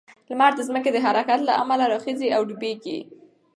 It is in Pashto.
لمر د ځمکې د حرکت له امله راخیژي او ډوبیږي.